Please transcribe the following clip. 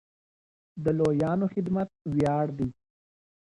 د لويانو خدمت وياړ دی.